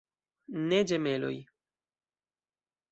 Ne ĝemeloj.